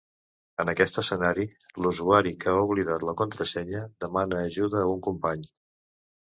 En aquest escenari, l'usuari que ha oblidat la contrasenya demana ajuda a un company.